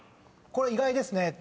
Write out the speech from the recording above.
これ意外ですね。